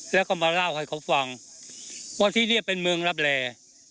แล้วก็มาเล่าให้เขาฟังว่าที่นี่เป็นเมืองรับแร่